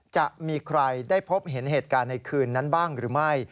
จะมีใครได้พบเห็นเหตุการณ์ในคืนนั้นบ้างหรือไม่